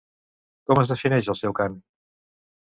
Com es defineix el seu cant?